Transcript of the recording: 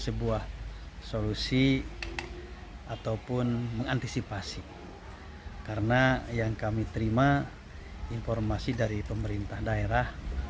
sebuah solusi ataupun mengantisipasi karena yang kami terima informasi dari pemerintah daerah